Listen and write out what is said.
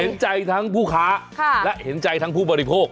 เห็นใจทั้งผู้ค้าและเห็นใจทั้งผู้บริโภค